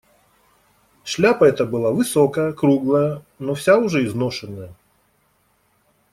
Шляпа эта была высокая, круглая, но вся уже изношенная.